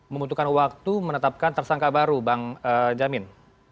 membutuhkan waktu menetapkan tersangka baru bang jamin